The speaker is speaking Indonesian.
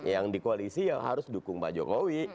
yang di koalisi ya harus dukung pak jokowi